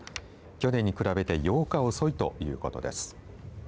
去年に比べて８日遅いということです。